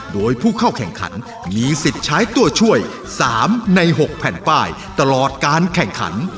โดยผู้เข้าแข่งขันมีสิทธิ์ใช้ตัวช่วย๓ใน๖แผ่นป้ายตลอดการแข่งขัน